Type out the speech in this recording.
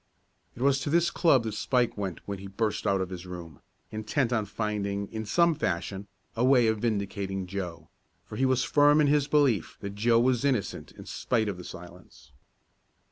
It was to this club that Spike went when he burst out of his room, intent on finding, in some fashion, a way of vindicating Joe, for he was firm in his belief that Joe was innocent in spite of the silence.